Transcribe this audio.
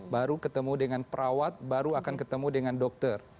baru ketemu dengan perawat baru akan ketemu dengan dokter